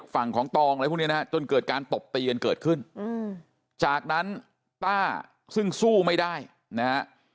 ฝั่งของตองอะไรพวกนี้นะฮะจนเกิดการตบตีกันเกิดขึ้นจากนั้นต้าซึ่งสู้ไม่ได้นะฮะ